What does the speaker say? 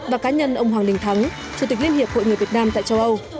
và cá nhân ông hoàng đình thắng chủ tịch liên hiệp hội người việt nam tại châu âu